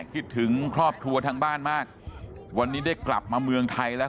คิดถึงครอบครัวทางบ้านมากวันนี้ได้กลับมาเมืองไทยแล้ว